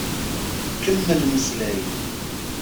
Kemmel mmeslay.